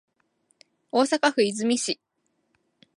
大阪府和泉市